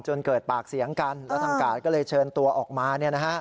เกิดปากเสียงกันแล้วทางกาดก็เลยเชิญตัวออกมา